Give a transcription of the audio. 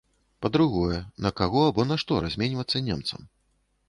Па-другое, на каго або на што разменьвацца немцам?